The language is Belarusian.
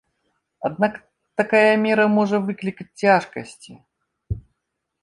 Аднак такая мера можа выклікаць цяжкасці.